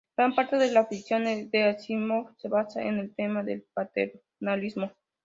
Gran parte de la ficción de Asimov se basa en el tema del paternalismo.